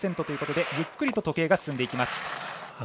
７４．０５％ということでゆっくりと時計が進んでいきます。